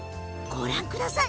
ご覧ください。